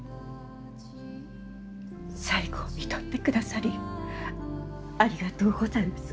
最期をみとってくださりありがとうございます。